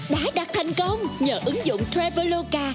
đã đạt thành công nhờ ứng dụng traveloka